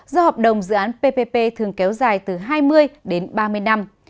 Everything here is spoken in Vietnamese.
do hợp đồng dự án ppp thường kéo dài từ hai mươi đến ba mươi năm